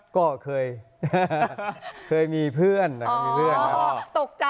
ก็เคยเคยมีเพื่อนนะครับ